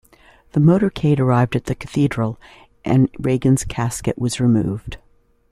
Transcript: The motorcade arrived at the Cathedral and Reagan's casket was removed.